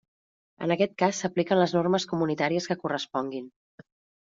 En aquest cas, s'apliquen les normes comunitàries que corresponguin.